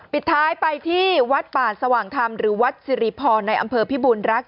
ปิดท้ายไปที่วัดป่าสว่างธรรมหรือวัดสิริพรในอำเภอพิบูรณรักษ